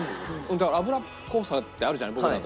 だから脂っこさってあるじゃない僕らだともう。